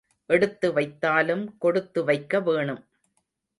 எடுத்து வைத்தாலும் கொடுத்து வைக்க வேணும்.